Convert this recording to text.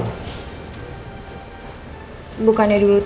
bukannya dulu sudah ketangkep ya pelakunya